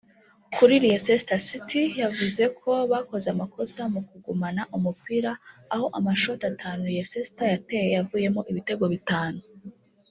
Kuri Leicester City yavuze ko bakoze amakosa mu kugumana umupira aho amashoti atanu Leicester yateye yavuyemo ibitego bitanu